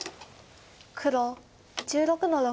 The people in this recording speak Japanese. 黒１６の六。